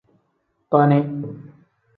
Koni.